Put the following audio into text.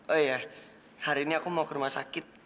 oh ya hari ini aku mau ke rumah sakit